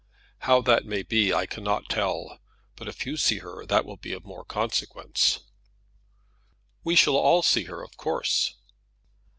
"How that may be I cannot tell, but if you see her that will be of more consequence." "We shall all see her, of course."